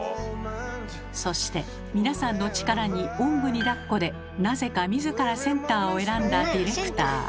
そして皆さんの力におんぶにだっこでなぜか自らセンターを選んだディレクター。